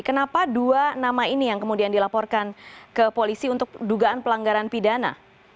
kenapa dua nama ini yang kemudian dilaporkan ke polisi untuk dugaan pelanggaran pidana